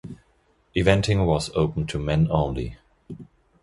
Eventing was open to men only.